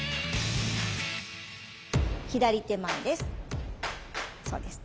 左手前です。